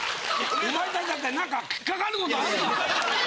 お前たちだって何か引っ掛かることあるだろ。